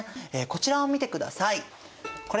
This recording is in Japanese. こちらを見てください。